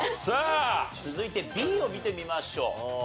さあ続いてＢを見てみましょう。